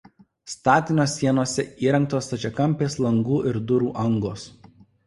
Statinio sienose įrengtos stačiakampės langų ir durų angos.